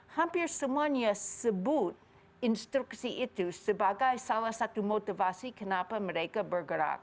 hampir semuanya sebut instruksi itu sebagai salah satu motivasi kenapa mereka bergerak